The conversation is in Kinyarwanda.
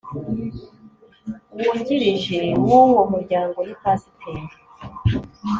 Wungirije w uwo Muryango ni Pasiteri